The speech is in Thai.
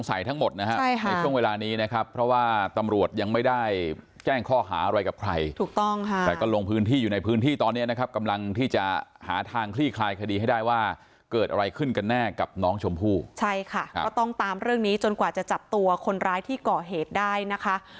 อะไรกับใครถูกต้องค่ะแต่ก็ลงพื้นที่อยู่ในพื้นที่ตอนนี้นะครับกำลังที่จะหาทางคลี่คลายคดีให้ได้ว่าเกิดอะไรขึ้นกันแน่กับน้องชมพู่ใช่ค่ะก็ต้องตามเรื่องนี้จนกว่าจะจับตัวคนร้ายที่เกาะเหตุได้นะคะ